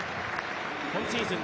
今シーズン